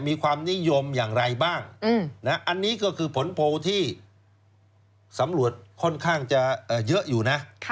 มีความนิยมอย่างไรบ้างอันนี้ก็คือผลโพลที่สำรวจค่อนข้างจะเยอะอยู่นะ